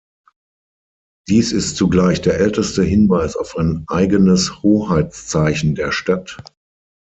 Dies ist zugleich der älteste Hinweis auf ein eigenes Hoheitszeichen der Stadt.